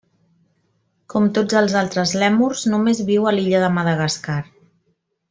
Com tots els altres lèmurs, només viu a l'illa de Madagascar.